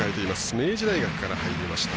明治大学から入りました。